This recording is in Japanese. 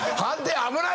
危ない！